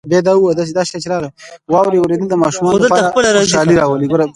• د واورې اورېدل د ماشومانو لپاره خوشحالي راولي.